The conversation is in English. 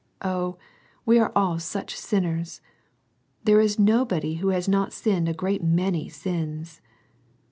Oh, we are all such sinners! There is nobody who has not sinned a great many sins."